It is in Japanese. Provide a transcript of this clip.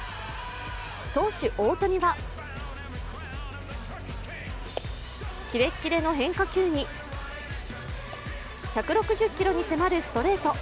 投手・大谷は、キレッキレの変化球に、１６０キロに迫るストレート。